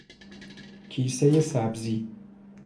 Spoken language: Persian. کیسه سبزی